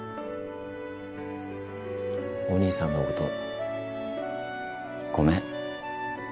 お兄さんのことごめん。